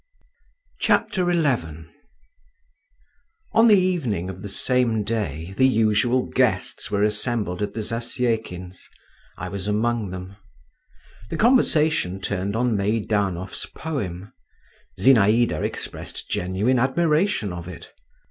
XI On the evening of the same day the usual guests were assembled at the Zasyekins'. I was among them. The conversation turned on Meidanov's poem. Zinaïda expressed genuine admiration of it.